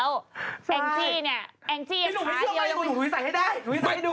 วันนี้ของนี่แต่ก็ทำออกมาตัวเดียว